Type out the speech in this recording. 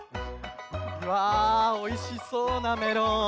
うわおいしそうなメロン。